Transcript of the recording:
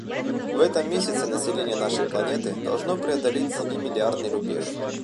В этом месяце население нашей планеты должно преодолеть семи миллиардный рубеж.